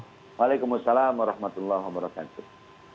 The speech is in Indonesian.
wassalamualaikum warahmatullahi wabarakatuh